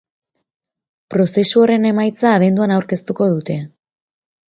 Prozesu horren emaitza abenduan aurkeztuko dute.